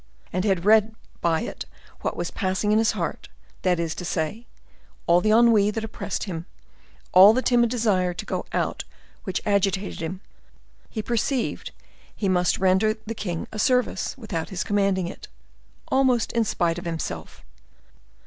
and had read by it what was passing in his heart—that is to say, all the ennui that oppressed him—all the timid desire to go out which agitated him,—he perceived he must render the king a service without his commanding it,—almost in spite of himself.